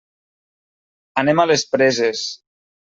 Anem a les Preses.